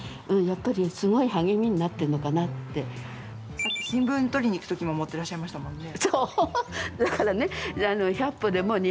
さっき新聞、取りに行く時も持ってらっしゃいましたもんね。